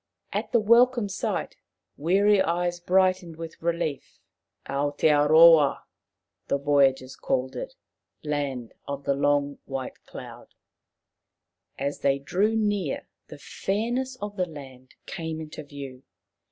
At the welcome sight weary eyes brightened with relief. "Ao tea roa," the voyagers called it —" Land of the Long White Cloud.' ' 20 Maoriland Fairy Tales As they drew near the fairness of the land came into view.